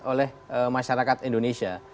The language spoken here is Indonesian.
oleh masyarakat indonesia